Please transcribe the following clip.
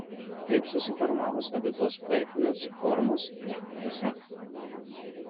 Taip susiformavo savitos poetinės formos ir dvasia.